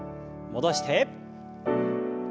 戻して。